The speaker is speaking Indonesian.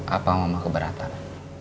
apa mama keberatan